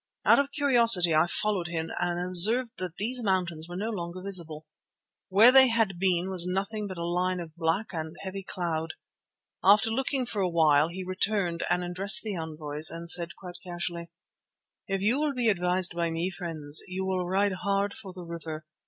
Out of curiosity I followed him and observed that these mountains were no longer visible. Where they had been was nothing but a line of black and heavy cloud. After looking for a while he returned and addressing the envoys, said quite casually: "If you will be advised by me, friends, you will ride hard for the river.